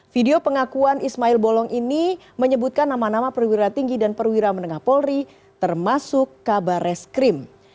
video pengakuan ismail bolong ini menyebutkan nama nama perwira tinggi dan perwira menengah polri termasuk kabar reskrim